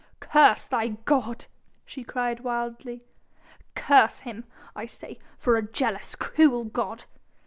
"Curse thy god," she cried wildly, "curse him, I say, for a jealous, cruel god....